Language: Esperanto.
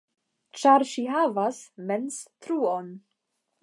Ĉar ŝi havas mens-truon.